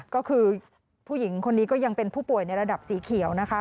ก็คือผู้หญิงคนนี้ก็ยังเป็นผู้ป่วยในระดับสีเขียวนะคะ